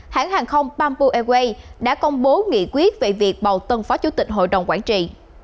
hãng hàng không bamboo airways đã công bố nghị quyết về việc bầu tân phó chủ tịch hội đồng quản trị